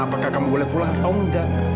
apakah kamu boleh pulang atau enggak